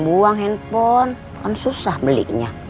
buang handphone kan susah belinya